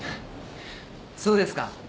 そうですか。